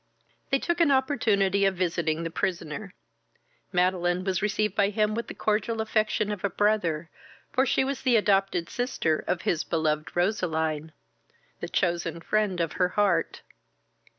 They took an opportunity of visiting the prisoner. Madeline was received by him with the cordial affection of a brother, for she was the adopted sister of his beloved Roseline, the chosen friend of her heart.